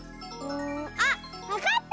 あっわかった！